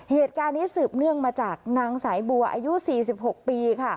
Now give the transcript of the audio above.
เหตุการณ์นี้สืบเนื่องมาจากนางสายบัวอายุ๔๖ปีค่ะ